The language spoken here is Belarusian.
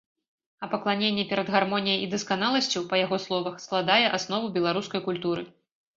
А пакланенне перад гармоніяй і дасканаласцю, па яго словах, складае аснову беларускай культуры.